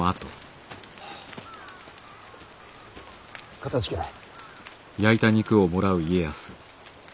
かたじけない。